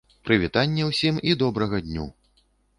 Прывітанне ўсім і добрага дню.